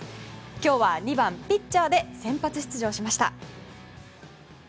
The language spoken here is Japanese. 今日は２番ピッチャーで先発出場しました。